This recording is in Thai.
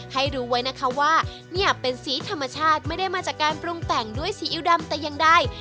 ให้รู้ไว้นะคะว่าเนี่ยเป็นสีธรรมชาติไม่ได้มาจากการปรุงแต่งด้วยซีอิ๊วดำแต่อย่างใด